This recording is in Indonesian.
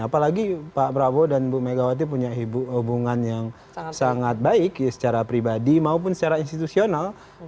apalagi pak prabowo dan bu megawati punya hubungan yang sangat baik secara pribadi maupun secara institusional